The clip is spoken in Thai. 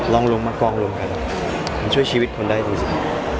ลองลงมากรองลงกันช่วยชีวิตคนได้จริงจริง